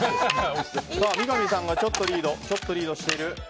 三上さんがちょっとリードしている。